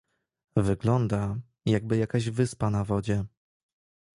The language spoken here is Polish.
Wygląda, jakby jakaś wyspa na wodzie.